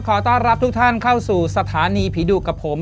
ขอต้อนรับทุกท่านเข้าสู่สถานีผีดุกับผม